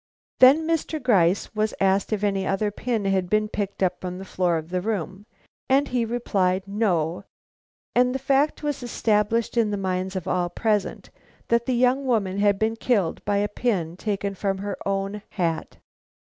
Then Mr. Gryce was asked if any other pin had been picked up from the floor of the room, and he replied, no; and the fact was established in the minds of all present that the young woman had been killed by a pin taken from her own hat.